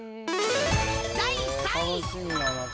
第３位。